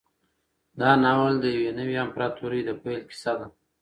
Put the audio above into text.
دا ناول د یوې نوې امپراطورۍ د پیل کیسه ده.